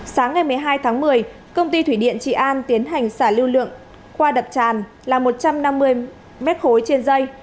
sáng ngày một mươi hai tháng một mươi công ty thủy điện trị an tiến hành xả lưu lượng qua đập tràn là một trăm năm mươi m ba trên dây